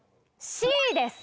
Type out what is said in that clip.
Ｃです！